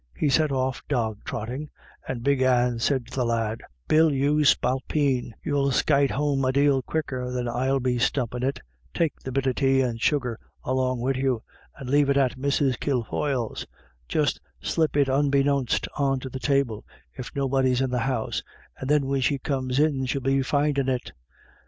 He set off jog trotting, and Big Anne said to the lad :" Bill, you spalpeen, you'll skyte home a dale quicker than I'll be stumpin' it. Take the bit of tay and sugar along wid you, and lave it at Mrs. Kilfoyle's. Just slip it unbeknownst on to the table, if nobody's in the house, and then when she comes in she'll be findin' it."